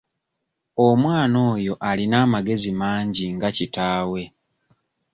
Omwana oyo alina amagezi mangi nga kitaawe.